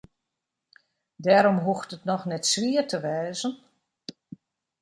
Dêrom hoecht it noch net wier te wêzen.